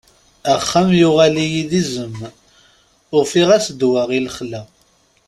Axxam yuɣal-iyi d izem, ufiɣ-as ddwa i lexla.